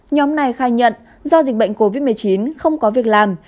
nhóm này khai nhận do dịch bệnh covid một mươi chín không có việc làm